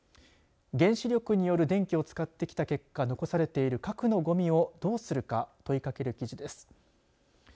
原子力による電気を使ってきた結果、残されている核のごみをどうするか問いかける記事です。